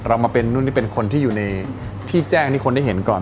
เรามาเป็นนู่นนี่เป็นคนที่อยู่ในที่แจ้งให้คนได้เห็นก่อน